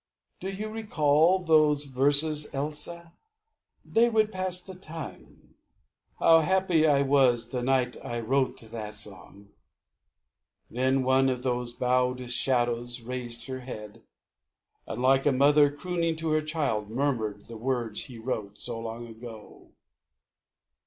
Do you recall Those verses, Elsa? They would pass the time. How happy I was the night I wrote that song!" Then, one of those bowed shadows raised her head And, like a mother crooning to her child, Murmured the words he wrote, so long ago.